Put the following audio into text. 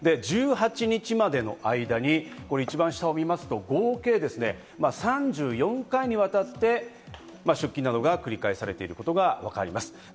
１８日までの間に一番下を見ますと合計３４回にわたって出金などが繰り返えされていることがわかります。